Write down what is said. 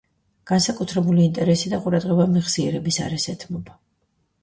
განსაკუთრებული ინტერესი და ყურადღება მეხსიერების არეს ეთმობა.